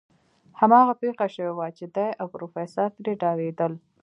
هماغه پېښه شوې وه چې دی او پروفيسر ترې ډارېدل.